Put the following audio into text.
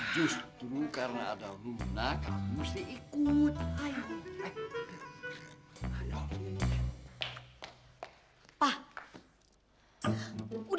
justru karena ada bu luna kamu mesti ikut